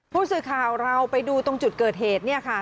ผู้สื่อข่าวเราไปดูตรงจุดเกิดเหตุเนี่ยค่ะ